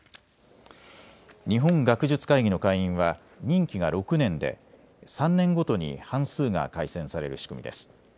日本学術会議の会員は任期が６年で３年ごとに半数が改選される仕組みです。